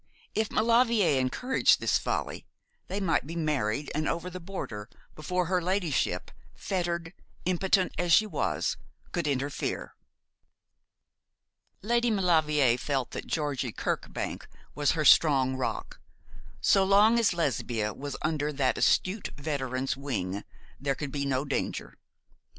If Maulevrier encouraged this folly, they might be married and over the border, before her ladyship fettered, impotent as she was could interfere. Lady Maulevrier felt that Georgie Kirkbank was her strong rock. So long as Lesbia was under that astute veteran's wing there could be no danger.